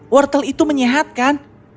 wortel itu menyehatkan